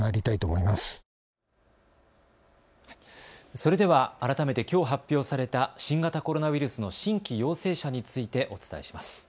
それでは改めてきょう発表された新型コロナウイルスの新規陽性者についてお伝えします。